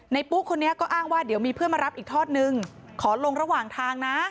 ปุ๊กคนนี้ก็อ้างว่าเดี๋ยวมีเพื่อนมารับอีกทอดนึงขอลงระหว่างทางนะ